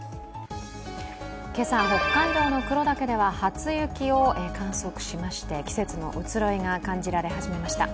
今朝、北海道の黒岳では初雪を観測しまして、季節の移ろいが感じられ始めました。